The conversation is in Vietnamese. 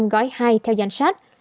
gói hai theo danh sách